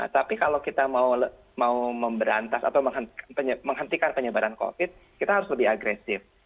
tapi kalau kita mau memberantas atau menghentikan penyebaran covid kita harus lebih agresif